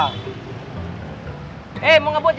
oke hampir kuntu jenisnya